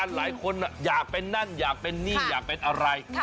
หลายคนอยากเป็นนั่นอยากเป็นนี่อยากเป็นอะไร